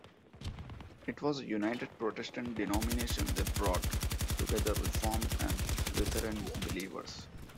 It was a United Protestant denomination that brought together Reformed and Lutheran believers.